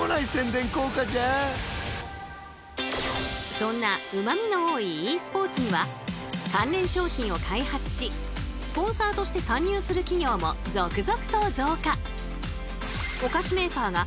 そんなうまみの多いｅスポーツには関連商品を開発しスポンサーとして参入する企業も続々と増加。